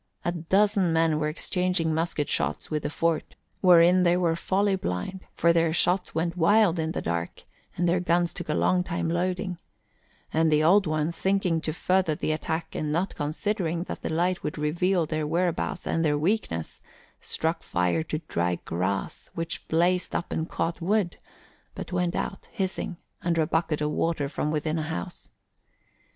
A dozen men were exchanging musket shots with the fort, wherein they were folly blind, for their shots went wild in the dark and their guns took a long time loading; and the Old One, thinking to further the attack and not considering that the light would reveal their whereabouts and their weakness, struck fire to dry grass, which blazed up and caught wood, but went out, hissing, under a bucket of water from within a house.